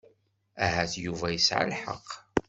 Ahat Yuba yesɛa lḥeqq.